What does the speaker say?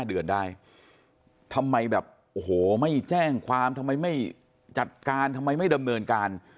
เดือนได้ทำไมแบบโอ้โหไม่แจ้งความทำไมไม่จัดการทำไมไม่ดำเนินการ